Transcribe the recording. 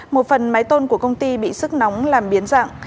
một phần mái tôn của công ty bị sức nóng làm biến dạng